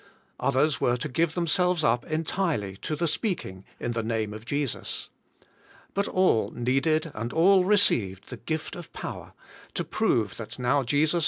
Others were to give themselves up entirely to the speaking in the name of Jesus. But all needed and all received the gift of power, to prove that now Jesus